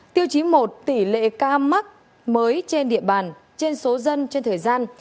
tiêu chí một tỷ lệ ca mắc mới trên địa bàn trên số dân trên thời gian